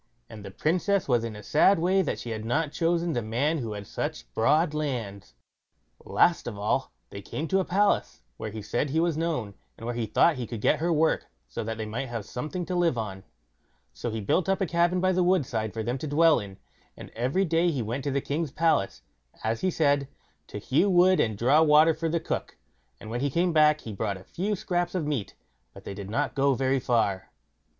And the Princess was in a sad way that she had not chosen the man who had such broad lands. Last of all, they came to a palace, where he said he was known, and where he thought he could get her work, so that they might have something to live on; so he built up a cabin by the woodside for them to dwell in; and every day he went to the king's palace, as he said, to hew wood and draw water for the cook, and when he came back he brought a few scraps of meat; but they did not go very far.